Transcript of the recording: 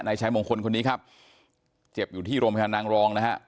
ชายมงคลคนนี้ครับเจ็บอยู่ที่โรงพยาบาลนางรองนะฮะ